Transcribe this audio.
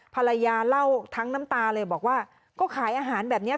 ภรรยาเล่าทั้งน้ำตาเลยบอกว่าก็ขายอาหารแบบนี้